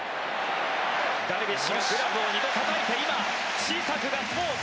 ダルビッシュがグラブを２度たたいて今、小さくガッツポーズ。